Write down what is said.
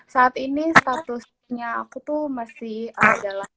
saat ini statusnya aku tuh masih dalam sp untuk perusahaan